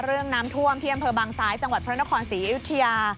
เรื่องน้ำท่วมที่อำเภอบางซ้ายจังหวัดพระนครศรีอยุธยา